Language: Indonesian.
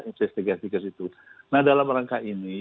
investigasi ke situ nah dalam rangka ini